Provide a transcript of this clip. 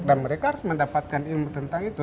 dan mereka harus mendapatkan ilmu tentang itu